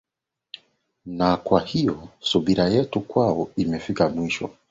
na kwa hiyo subira yetu kwao imefika mwisho